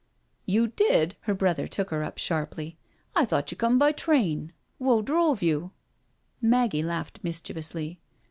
"You did?'* Her brother took her up sharply. " I thought you come by train — ^w'o drove you?" Maggie laughed misdhievously.